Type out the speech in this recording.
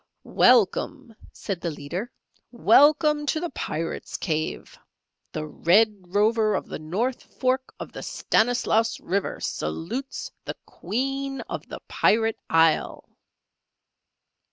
"Welcome," said the leader. "Welcome to the Pirate's Cave! The Red Rover of the North Fork of the Stanislaus River salutes the Queen of the Pirate Isle!"